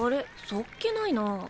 そっけないなあ。